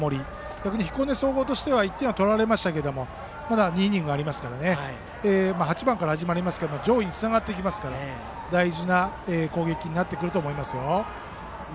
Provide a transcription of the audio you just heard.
逆に彦根総合としては１点は取られましたけれどまだ２イニングありますから８番から始まりますが上位につながっていきますから大事な攻撃になると思います。